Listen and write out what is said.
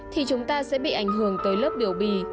thì chúng ta sẽ bị ảnh hưởng tới lớp biểu bì